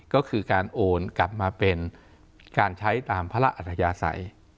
ก็คือการโอนกลับมาเป็นการใช้ตามพระราชอัธยาศัย